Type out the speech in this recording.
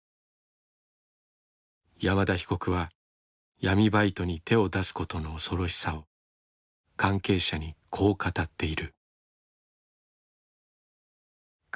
山田被告は闇バイトに手を出すことの恐ろしさを関係者にこう語っている。